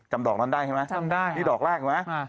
จำดอกนั้นได้ไหมหรือดอกแรกไหว๊